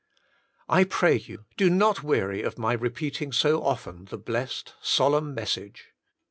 I pray you, do not weary of my repeating so often the blessed, solemn message.